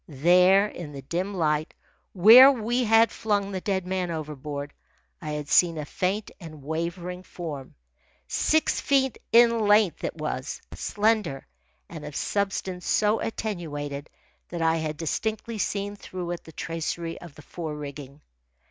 There, in the dim light, where we had flung the dead man overboard, I had seen a faint and wavering form. Six feet in length it was, slender, and of substance so attenuated that I had distinctly seen through it the tracery of the fore rigging.